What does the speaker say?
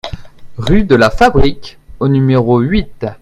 Rue de la Fabrique au numéro huit